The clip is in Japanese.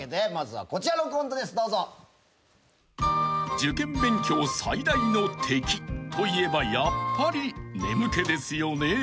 ［受験勉強最大の敵といえばやっぱり眠気ですよね］